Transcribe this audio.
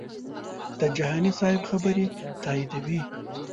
د جهاني صاحب خبرې تاییدوي.